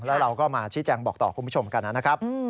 แล้วเราก็มาชี้แจงบอกต่อคุณผู้ชมกันนะครับ